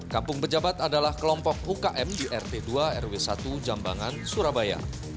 kampung pejabat adalah kelompok ukm di rt dua rw satu jambangan surabaya